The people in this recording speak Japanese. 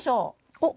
おっ！